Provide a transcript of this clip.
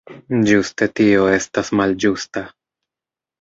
Ĝuste tio estas malĝusta.